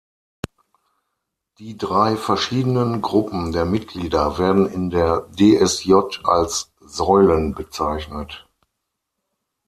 Die drei verschiedenen Gruppen der Mitglieder werden in der dsj als "Säulen" bezeichnet.